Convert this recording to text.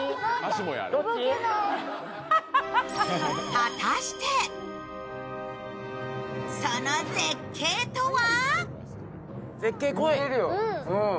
果たして、その絶景とは？